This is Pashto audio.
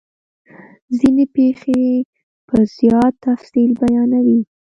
ځیني پیښې په زیات تفصیل بیانوي.